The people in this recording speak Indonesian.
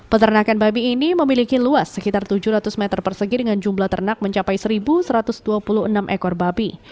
peternakan babi ini memiliki luas sekitar tujuh ratus meter persegi dengan jumlah ternak mencapai satu satu ratus dua puluh enam ekor babi